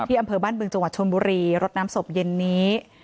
อำเภอบ้านบึงจังหวัดชนบุรีรถน้ำศพเย็นนี้